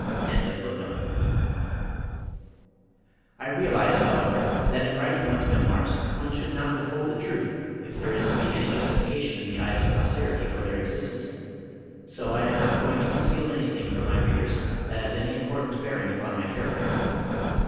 ] I realize, however, that in writing one's memoirs one should not withhold the truth if there is to be any justification in the eyes of posterity for their existence, so I am not going to conceal anything from my readers that has any important bearing upon my character.